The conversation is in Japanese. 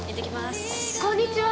こんにちは。